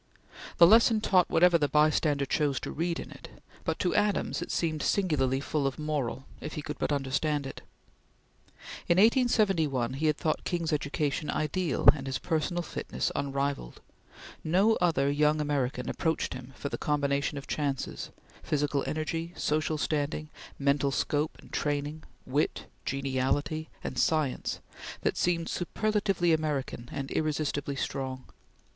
The lesson taught whatever the bystander chose to read in it; but to Adams it seemed singularly full of moral, if he could but understand it. In 1871 he had thought King's education ideal, and his personal fitness unrivalled. No other young American approached him for the combination of chances physical energy, social standing, mental scope and training, wit, geniality, and science, that seemed superlatively American and irresistibly strong.